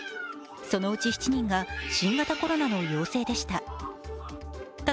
そのうち、７人が新型コロナの陽性でした。